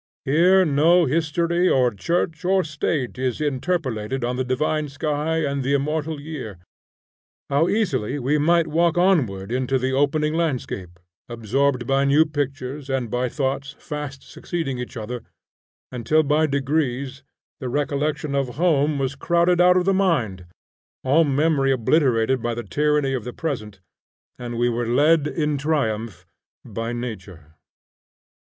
Here no history, or church, or state, is interpolated on the divine sky and the immortal year. How easily we might walk onward into the opening landscape, absorbed by new pictures and by thoughts fast succeeding each other, until by degrees the recollection of home was crowded out of the mind, all memory obliterated by the tyranny of the present, and we were led in triumph by nature.